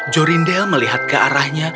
jorindel melihat ke arahnya